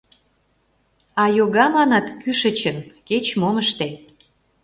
— А йога, манат, кӱшычын, кеч-мом ыште...